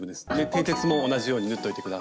てい鉄も同じように縫っといて下さい。